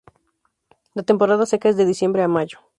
La temporada seca es de diciembre a mayo.